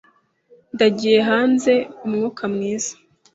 Ndagiye hanze umwuka mwiza.